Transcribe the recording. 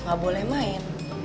nggak boleh main